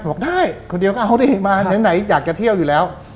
บอกได้คนเดียวก็เอาดิมาไหนอยากจะเที่ยวอยู่แล้ว